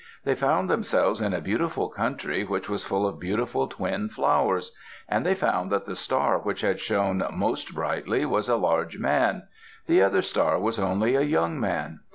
They found themselves in a beautiful country which was full of beautiful twin flowers. And they found that the star which had shone most brightly was a large man; the other star was only a young man.